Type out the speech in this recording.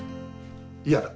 嫌だ。